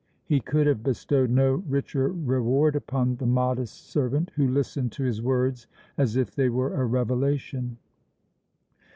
He could have bestowed no richer reward upon the modest servant, who listened to his words as if they were a revelation.